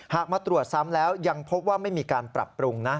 มาตรวจซ้ำแล้วยังพบว่าไม่มีการปรับปรุงนะ